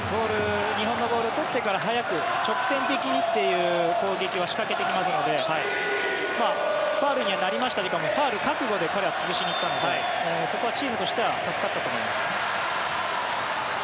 日本のボールを取ってから速く直線的にという攻撃を仕掛けてきますのでファウルにはなりましたがファウル覚悟で彼は潰しに行ったのでそこはチームとしては助かったと思います。